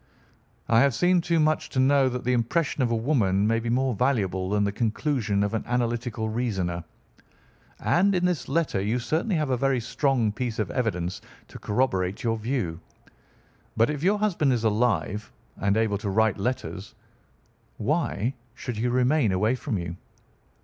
"I have seen too much not to know that the impression of a woman may be more valuable than the conclusion of an analytical reasoner. And in this letter you certainly have a very strong piece of evidence to corroborate your view. But if your husband is alive and able to write letters, why should he remain away from you?"